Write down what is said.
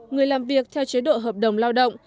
người làm việc theo chế độ hợp đồng lao động